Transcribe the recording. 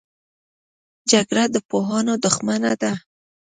جګړه د پوهانو دښمنه ده